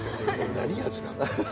何味なの？